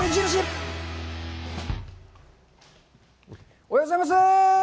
おはようございます。